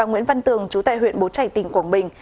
nguyễn văn tường chú tại huyện bố trạch tỉnh quảng bình